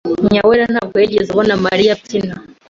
Nyawera ntabwo yigeze abona Mariya abyina.